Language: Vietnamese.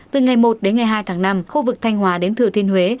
từ ngày một đến ngày hai tháng năm khu vực thanh hòa đến thừa thiên huế